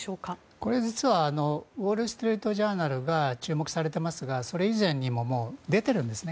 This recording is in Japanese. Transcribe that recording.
これ、実はウォール・ストリート・ジャーナルが注目されていますがそれ以前にも出ているんですね。